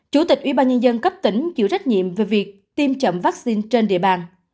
chủ tịch ủy ba nhân dân các tỉnh chịu trách nhiệm về việc tiêm chậm vaccine trên địa bàn